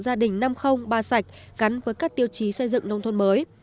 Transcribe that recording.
gia đình năm không ba sạch cắn với các tiêu chí xây dựng nông thuần mới